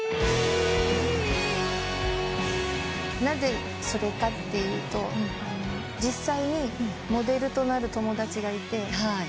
なぜそれかっていうと実際にモデルとなる友達がいて。